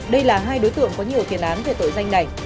đây là hai đối tượng có nhiều tiền án về tội danh này